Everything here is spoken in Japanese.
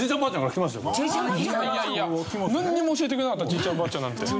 これはいやいやいやなんにも教えてくれなかったじいちゃんばあちゃんなんて。